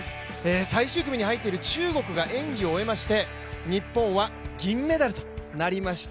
最終組に入っている中国が演技を終えまして日本は銀メダルとなりました。